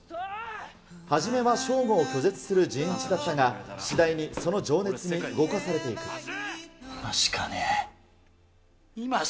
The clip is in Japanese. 初めは翔吾を拒絶する仁一だったが、次第にその情熱に動かさ今しかねぇ。